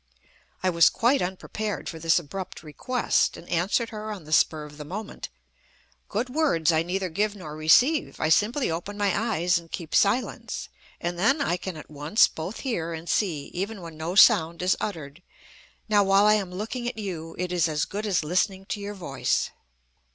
I was quite unprepared for this abrupt request, and answered her on the spur of the moment: "Good words I neither give nor receive. I simply open my eyes and keep silence, and then I can at once both hear and see, even when no sound is uttered. Now, while I am looking at you, it is as good as listening to your voice."